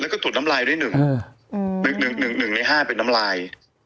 แล้วก็ตรวจน้ำลายด้วยหนึ่งหนึ่งใน๕เป็นน้ำลาย